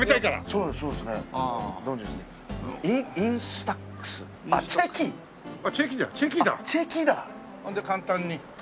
それで簡単に。